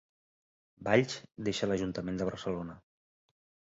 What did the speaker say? Valls deixa l'Ajuntament de Barcelona